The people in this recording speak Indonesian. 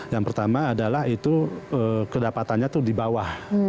yang pertama adalah itu kedapatannya itu di bawah